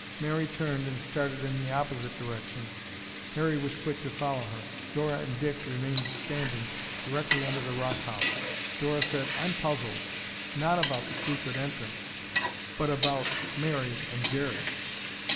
Mary turned and started in the opposite direction. Harry was quick to follow her. Dora and Dick remained standing directly under the rock house. Dora said, "I'm puzzled! Not about the secret entrance but about Mary and Jerry."